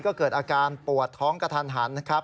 ก็เกิดอาการปวดท้องกระทันหันนะครับ